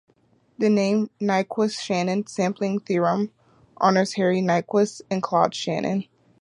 The name "Nyquist-Shannon sampling theorem" honors Harry Nyquist and Claude Shannon.